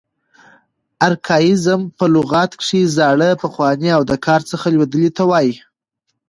ارکاییزم په لغت کښي زاړه، پخواني او د کاره څخه لوېدلي ته وایي.